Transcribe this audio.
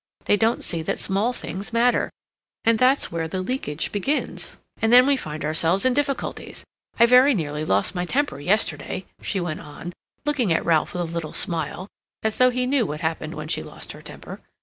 They don't see that small things matter, and that's where the leakage begins, and then we find ourselves in difficulties—I very nearly lost my temper yesterday," she went on, looking at Ralph with a little smile, as though he knew what happened when she lost her temper.